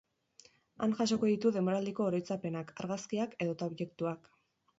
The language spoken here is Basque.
Han jasoko ditu denboraldiko oroitzapenak, argazkiak edota objektuak.